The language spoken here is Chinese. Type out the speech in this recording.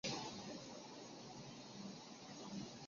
这些遗民向准噶尔汗国交毛皮税。